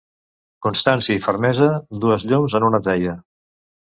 Constància i fermesa, dues llums en una teia.